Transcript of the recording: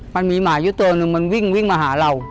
มันมีหมาอยู่ตัวหนึ่งมันวิ่งมาหาเรา